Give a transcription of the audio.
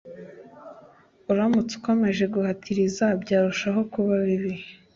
Uramutse ukomeje guhatiriza byarushaho kuba bibi